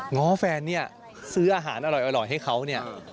ง้อแฟนเนี่ยซื้ออาหารอร่อยให้เขาเนี่ย